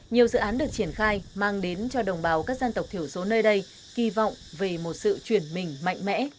nhiều dự án được triển khai mang đến cho đồng bào các dân tộc thiểu số nơi đây kỳ vọng về một sự chuyển mình mạnh mẽ